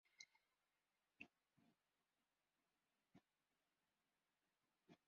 Mbali na matangazo ya moja kwa moja tuna vipindi vya televisheni vya kila wiki vya Afya Yako, Zulia Jekundu na jiji letu.